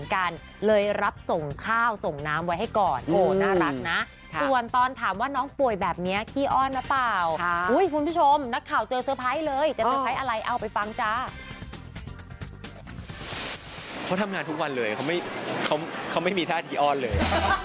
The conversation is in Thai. เขาทำงานทุกวันเลยเขาไม่มีท่าทีอ้อนเลย